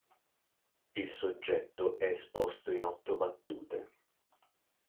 Il soggetto è esposto in otto battute.